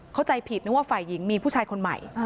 เข้าใจผิดนึกว่าฝ่ายหญิงมีผู้ชายคนใหม่